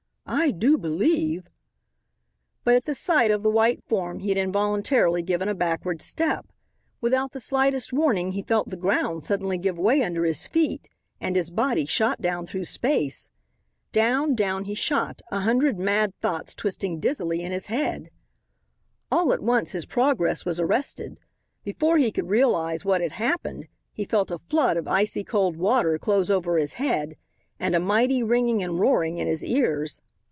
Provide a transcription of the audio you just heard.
"I do believe " But at the sight of the white form he had involuntarily given a backward step. Without the slightest warning he felt the ground suddenly give way under his feet, and his body shot down through space. Down, down he shot, a hundred mad thoughts twisting dizzily in his head. All at once his progress was arrested. Before he could realize what had happened he felt a flood of icy cold water close over his head and a mighty ringing and roaring in his ears.